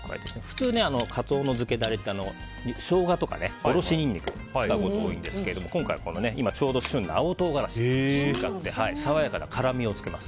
普通、カツオの漬けダレってショウガとか、おろしニンニクを使うことが多いんですけど今回は今ちょうど旬な青唐辛子を使って爽やかな辛みをつけます。